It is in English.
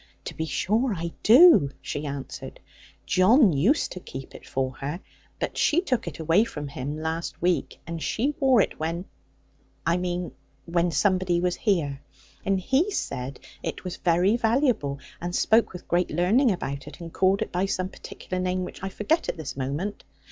'To be sure I do,' she answered; 'John used to keep it for her. But she took it away from him last week, and she wore it when I mean when somebody was here; and he said it was very valuable, and spoke with great learning about it, and called it by some particular name, which I forget at this moment.